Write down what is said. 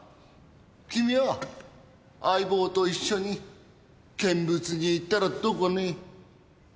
君は相棒と一緒に見物に行ったらどうかね？